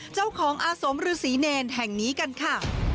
เจ้าของอาสมฤษีเนรแห่งนี้กันค่ะ